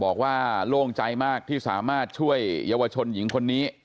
โล่งใจมากที่สามารถช่วยเยาวชนหญิงคนนี้